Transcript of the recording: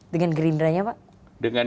dengan gerindra nya pak dengan